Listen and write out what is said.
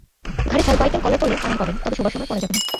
ঘাড়ে cervical collar পরলে আরাম পাবেন, তবে শোবার সময় পরা যাবে না।